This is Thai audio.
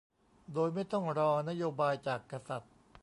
โดยไม่ต้องรอนโยบายจากกษัตริย์